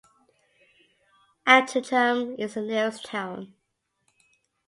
Altrincham is the nearest town.